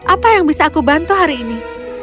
apa yang bisa aku bantu hari ini